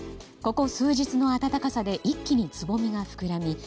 ここ数日の暖かさで一気につぼみが膨らみ